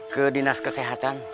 ke dinas kesehatan